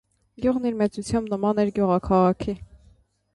Գյուղն իր մեծությամբ նման էր գյուղաքաղաքի։